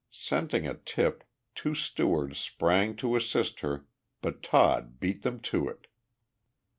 Scenting a tip, two stewards sprang to assist her, but Todd beat them to it.